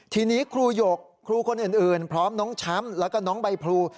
ทีนี้ครูหยกครูคนอื่นพร้อมน้องแชมป์แล้วก็น้องใบพลู